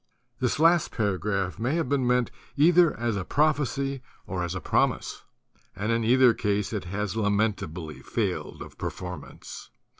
This last paragraph may have been meant either as a prophecy or as a promise; and in either case it has lamentably failed of per formance.